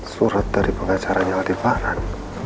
surat dari pengacaranya latifahran